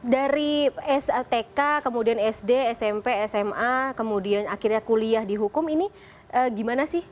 dari stk kemudian sd smp sma kemudian akhirnya kuliah di hukum ini gimana sih